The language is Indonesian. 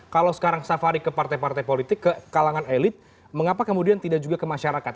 kalau sekarang safari ke partai partai politik ke kalangan elit mengapa kemudian tidak juga ke masyarakat